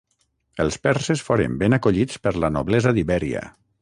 Els perses foren ben acollits per la noblesa d'Ibèria.